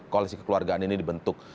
koalisi kekeluargaan ini dibentuk